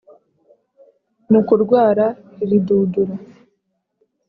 Mu kurwara iridudura